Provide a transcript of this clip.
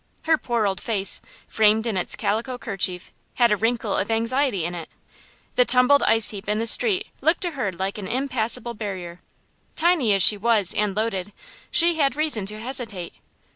Her poor old face, framed in its calico kerchief, had a wrinkle of anxiety in it. The tumbled ice heap in the street looked to her like an impassable barrier. Tiny as she was, and loaded, she had reason to hesitate.